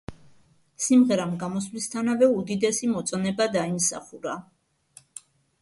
სიმღერამ გამოსვლისთანავე უდიდესი მოწონება დაიმსახურა.